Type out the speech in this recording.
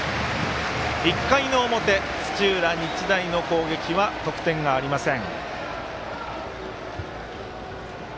１回の表土浦日大の攻撃は得点がありません。